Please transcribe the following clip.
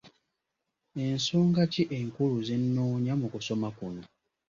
Ensonga ki enkulu ze nnoonya mu kusoma kuno?